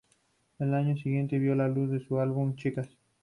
Al año siguiente vio la luz su álbum "Chicas!